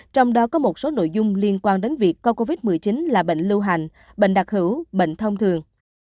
trong đó có một số nội dung liên quan đến việc coi covid một mươi chín là bệnh lưu hành bệnh đặc hữu bệnh thông thường